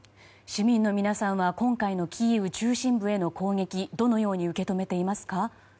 市民の皆さんは今回のキーウ中心部への攻撃どのように受け止めていますか？